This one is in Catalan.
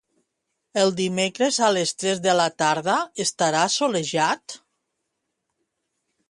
El dimecres a les tres de la tarda estarà assolellat?